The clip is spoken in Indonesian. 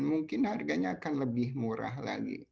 mungkin harganya akan lebih murah lagi